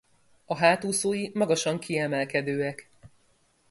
A hátúszói magasan kiemelkedőek.